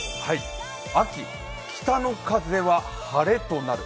「秋北の風は晴れとなる」